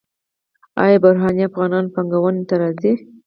آیا بهرنی افغانان پانګونې ته راځي؟